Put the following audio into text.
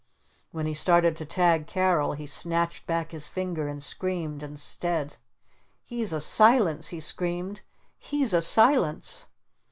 When he started to tag Carol he snatched back his finger and screamed instead. "He's a Silence!" he screamed. "He's a Silence!"